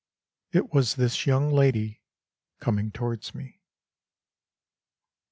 It was this young lady Coming towards me.